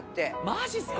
マジすか？